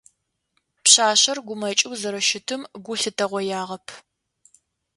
Пшъашъэр гумэкӏэу зэрэщытым гу лъытэгъоягъэп.